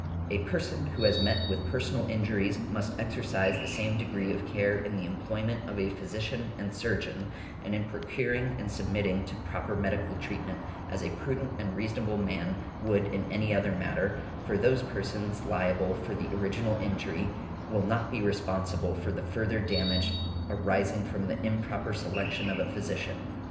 A person who has met with personal injuries must exercise the same degree of care in the employment of a physician and surgeon, and in procuring and submitting to proper medical treatment, as a prudent and reasonable man would in any other matter; for those persons liable for the original injury will not be responsible for the further damage arising from the improper selection of a physician .